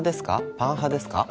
パン派ですか？」